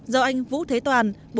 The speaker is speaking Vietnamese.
do anh vũ thế toàn